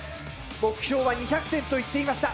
目標は２００点と言っていました。